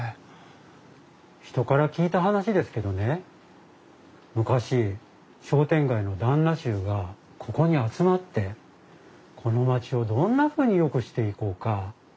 人から聞いた話ですけどね昔商店街の旦那衆がここに集まってこの街をどんなふうによくしていこうか話し合った場所らしいです。